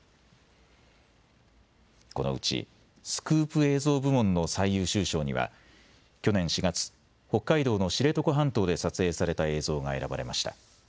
このうちスクープ映像部門の最優秀賞には去年４月、北海道の知床半島で撮影された映像が選ばれました。